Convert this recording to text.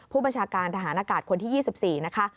ผู้บัญชาการทหารอากาศคนที่๒๔นะคะ